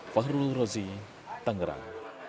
fahrul rozi tangerang